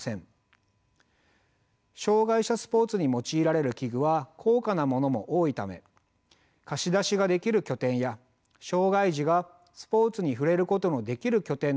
障害者スポーツに用いられる器具は高価なものも多いため貸し出しができる拠点や障害児がスポーツに触れることのできる拠点の整備が求められています。